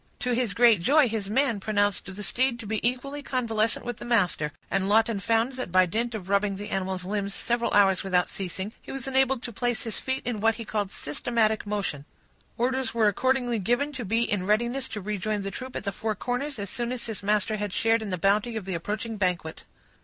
To his great joy, his man pronounced the steed to be equally convalescent with the master; and Lawton found that by dint of rubbing the animal's limbs several hours without ceasing, he was enabled to place his feet in what he called systematic motion. Orders were accordingly given to be in readiness to rejoin the troop at the Four Corners, as soon as his master had shared in the bounty of the approaching banquet.